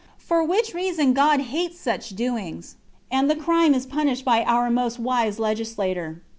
for which reason God hates such doings, and the crime is punished by our most wise legislator.